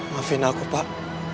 maafin aku pak